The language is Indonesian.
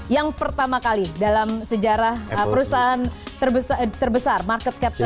yang pertama kali dalam sejarah perusahaan terbesar market capture